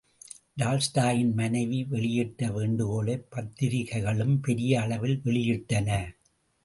டால்ஸ்டாயின் மனைவி வெளியிட்ட வேண்டுகோளை பத்திரிக்கைகளும் பெரிய அளவில் வெளியிட்டன.